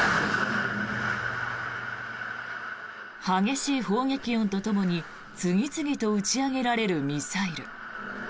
激しい砲撃音とともに次々と打ち上げられるミサイル。